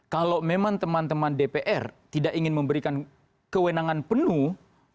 kalau memang teman teman dpr tidak ingin memberikan kewenangan penuh